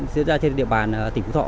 diễn ra trên địa bàn tỉnh phú thọ